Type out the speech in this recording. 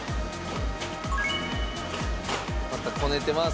またこねてます。